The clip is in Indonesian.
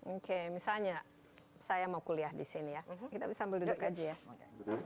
oke misalnya saya mau kuliah di sini ya kita bisa sambil duduk aja ya